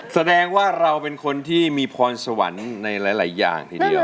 แสดงว่าเราเป็นคนที่มีพรสวรรค์ในหลายอย่างทีเดียว